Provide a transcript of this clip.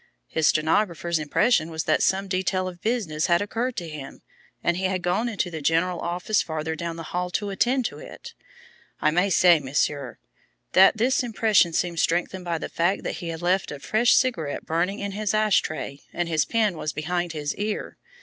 His stenographer's impression was that some detail of business had occurred to him, and he had gone into the general office farther down the hall to attend to it. I may say, Monsieur, that this impression seemed strengthened by the fact that he left a fresh cigarette burning in his ash tray, and his pen was behind his ear.